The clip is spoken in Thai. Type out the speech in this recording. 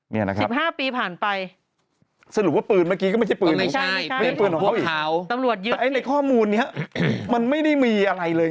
นี่นะครับสรุปว่าปืนเมื่อกี้ก็ไม่ใช่ปืนของเขาอีกแต่ไอ้ในข้อมูลนี้มันไม่มีอะไรเลย